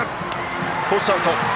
フォースアウト！